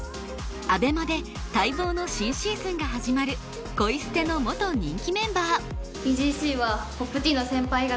ＡＢＥＭＡで待望の新シーズンが始まる『恋ステ』の元人気メンバー。